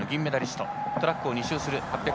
トラックを２周する８００。